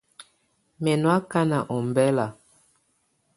Mɛ nɔ́ ákana ɔmbɛla.